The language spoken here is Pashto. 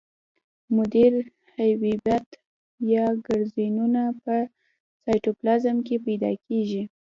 مدور حبیبات یا ګرنولونه په سایتوپلازم کې پیدا کیږي.